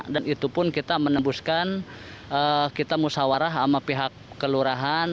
dan itu pun kita menembuskan kita musawarah sama pihak kelurahan